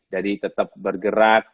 jadi tetap bergerak